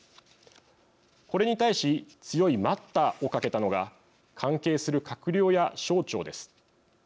これに対し強い待ったをかけたのが関係する閣僚や省庁です。